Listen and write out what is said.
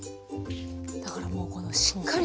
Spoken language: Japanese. だからもうこのしっかりとね。